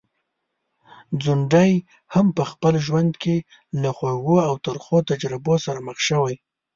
ځونډی هم په خپل ژوند کي له خوږو او ترخو تجربو سره مخ شوی.